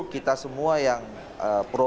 kita semua yang pro